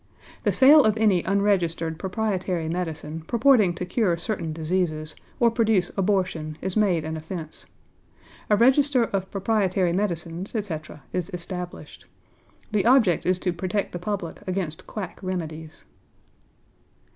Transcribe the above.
The sale of any unregistered proprietary medicine purporting to cure certain diseases or produce abortion is made an offence. A register of proprietary medicines, etc., is established. The object is to protect the public against quack remedies.